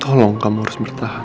tolong kamu harus bertahan